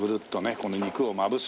この肉をまぶす。